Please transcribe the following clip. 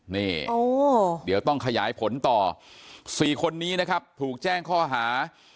นี่เดี๋ยวต้องขยายผลต่อ๔คนนี้นะครับถูกแจ้งข้อหา